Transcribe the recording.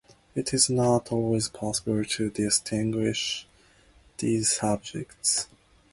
It is not always possible to distinguish these subjects.